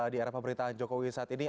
di era pemerintahan jokowi saat ini